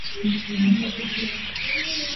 Juan Gabriel y Yo".